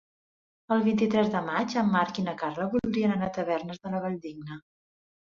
El vint-i-tres de maig en Marc i na Carla voldrien anar a Tavernes de la Valldigna.